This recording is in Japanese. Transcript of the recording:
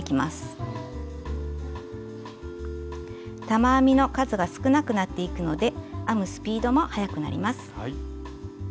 玉編みの数が少なくなっていくので編むスピードもはやくなります。